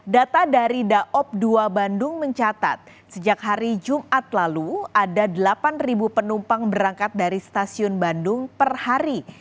data dari daob dua bandung mencatat sejak hari jumat lalu ada delapan penumpang berangkat dari stasiun bandung per hari